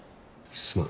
すまん。